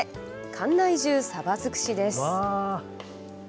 館内中、サバ尽くしです。